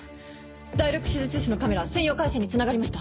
第６手術室のカメラ専用回線につながりました！